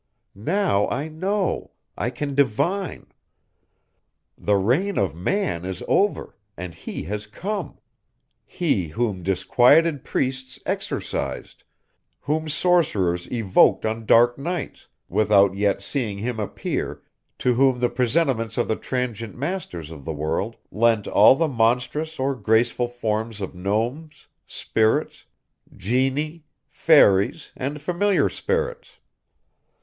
Now I know, I can divine. The reign of man is over, and he has come. He whom disquieted priests exorcised, whom sorcerers evoked on dark nights, without yet seeing him appear, to whom the presentiments of the transient masters of the world lent all the monstrous or graceful forms of gnomes, spirits, genii, fairies, and familiar spirits.